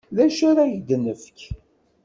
D acu ara ak-d-nefk?